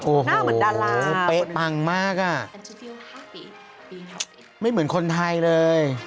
โอ้เป๊ะตั่างมากอ่ะไม่เหมือนคนไทยเลย